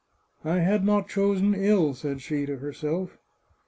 " I had not chosen ill !" said she to herself.